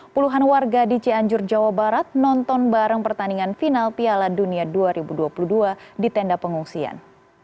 puluhan warga di cianjur jawa barat nonton bareng pertandingan final piala dunia dua ribu dua puluh dua di tenda pengungsian